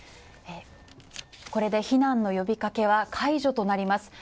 これで避難の呼びかけは解除となります。